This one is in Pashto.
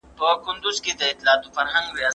په تېروتنه ټينګار عيب دی.